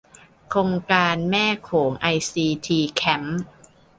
โครงการแม่โขงไอซีทีแคมป์